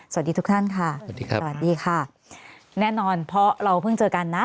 สวัสดีทุกท่านค่ะสวัสดีครับสวัสดีค่ะแน่นอนเพราะเราเพิ่งเจอกันนะ